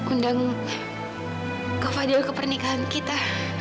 undang ke fadil ke pernikahan kita